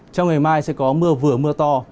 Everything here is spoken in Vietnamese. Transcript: trong ngày mai sẽ có mưa vừa mưa to